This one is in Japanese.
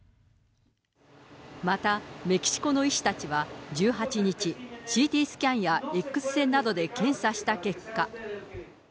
また、メキシコの医師たちは１８日、ＣＴスキャンやＸ線などで検査した結果。